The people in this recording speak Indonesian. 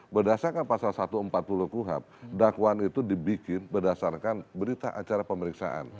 berdasarkan pasal satu ratus empat puluh kuhap dakwaan itu dibikin berdasarkan berita acara pemeriksaan